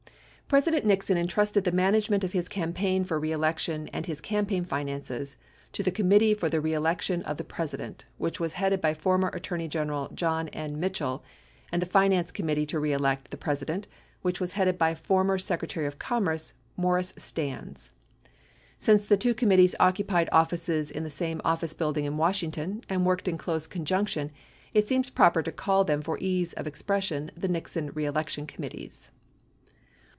President Nixon entrusted the management of his campaign for reelection and his campaign finances to the Committee for the Re Election of the President, which was headed by former Attorney Gen eral John N. Mitchell, and the Finance Committee To Re Elect the President, which was headed by former Secretary of Commerce, Maurice Stans. Since the two committees occupied offices in the same office building in Washington and worked in close conjunction, it seems proper to call them for ease of expression the Nixon reelection committees.